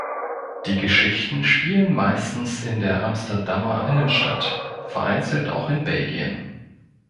Die Geschichten spielen meistens in der Amsterdamer Innenstadt, vereinzelt auch in Belgien.